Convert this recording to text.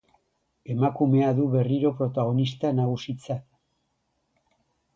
Emakumea du berriro protagonista nagusitzat.